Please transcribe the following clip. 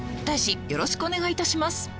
大使よろしくお願いいたします。